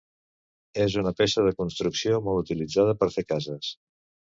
És una peça de construcció molt utilitzada per fer cases.